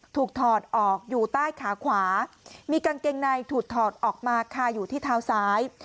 ถอดออกอยู่ใต้ขาขวามีกางเกงในถูดถอดออกมาคาอยู่ที่เท้าซ้าย